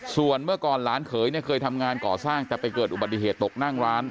ส่วนเมื่อก่อนหลานเขยเนี่ยเคยทำงานก่อสร้างแต่ไปเกิดอุบัติเหตุตกนั่งร้าน